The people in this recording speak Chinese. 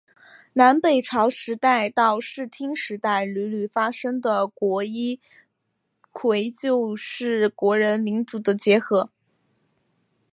南北朝时代到室町时代屡屡发生的国一揆就是国人领主的结合。